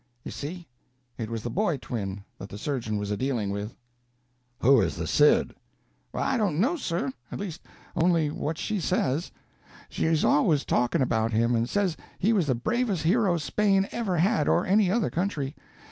You see? it was the boy twin that the surgeon was a dealing with. "Who is the Cid?" "I don't know, sir—at least only what she says. She's always talking about him, and says he was the bravest hero Spain ever had, or any other country.